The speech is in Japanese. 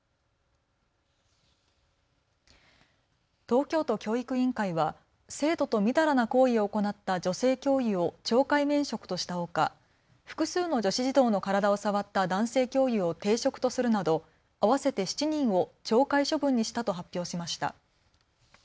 東京都教育委員会は生徒と淫らな行為を行った女性教諭を懲戒免職としたほか複数の女子児童の体を触った男性教諭を停職とするなど合わせて７人を懲戒処分にしたと発表しました。